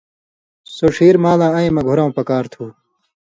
سو ڇھیرمالاں اَیں مہ گُھرٶں پکار تُھو۔